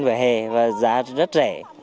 vỉa hè và giá rất rẻ